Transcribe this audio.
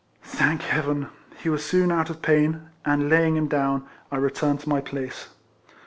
Thank Heaven ! he was soon out of pain ; and, lay ing him down, I returned to my place.